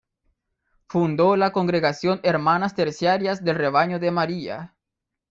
Fundó la "Congregación Hermanas Terciarias del Rebaño de María".